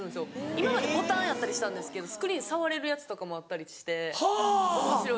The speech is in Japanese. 今までボタンやったりしたんですけどスクリーン触れるやつとかもあったりしておもしろいです。